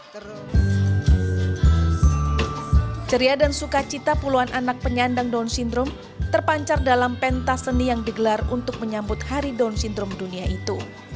ceria dan sukacita puluhan anak penyandang down syndrome terpancar dalam pentas seni yang digelar untuk menyambut hari down syndrome dunia itu